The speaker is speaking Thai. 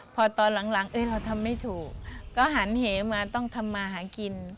พอตอนหลังเราทำไม่ถูกก็หันเหมาต้องทำมาหากิน